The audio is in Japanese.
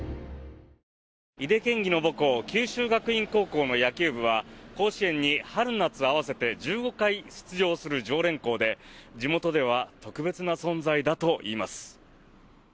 井手県議の母校九州学院高校の野球部は甲子園に春夏合わせて１５回出場する常連校で地元では特別な存在だといいます。